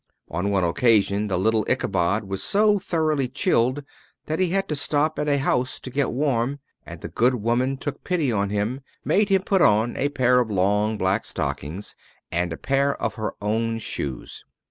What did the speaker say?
On one occasion the little Ichabod was so thoroughly chilled that he had to stop at a house to get warm, and the good woman took pity on him, made him put on a pair of long black stockings, and a pair of her own shoes.